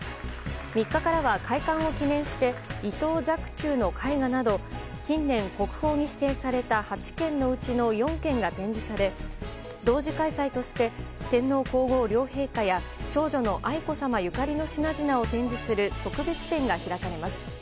３日からは開館を記念して伊藤若冲の絵画など近年、国宝に指定された８件のうちの４件が展示され同時開催として天皇・皇后両陛下や長女の愛子さまゆかりの品々を展示する特別展が開かれます。